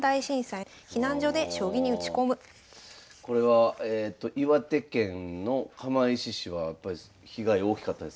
これは岩手県の釜石市はやっぱり被害大きかったですか？